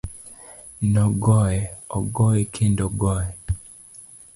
Nogoye, ogoye kendo ogoye.